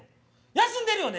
休んでるよね？